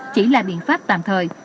chỉ là biện pháp tạm thời